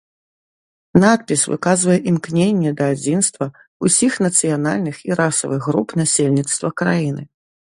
Надпіс выказвае імкненне да адзінства ўсіх нацыянальных і расавых груп насельніцтва краіны.